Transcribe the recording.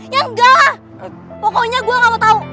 ya enggak pokoknya gue gak mau tahu